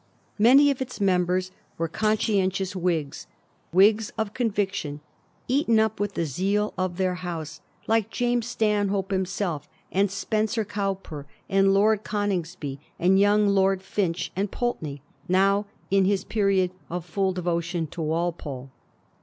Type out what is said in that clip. Many of ita members were conscientious Whigs — Whigs of con viction, eaten up with the zeal of their house, like James Stanhope himself, and Spencer Cowper and Lord Coningsby and young Lord Finch and Pulteney, now in his period of fiill devotion to Walpole.